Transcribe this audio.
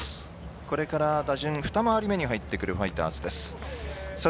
これから打順２回り目に入っていくファイターズです。